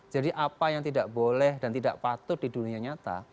jadi apa yang tidak boleh dan tidak patut di dunia nyata